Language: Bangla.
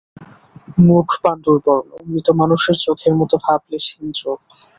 মুখ পাণ্ডুর বর্ণ, মৃত মানুষের চোখের মতো ভাবলেশহীন চোখ।